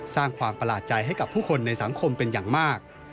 สร้างความประหลาดใจให้กับผู้คนในสังคมเป็นอย่างมาก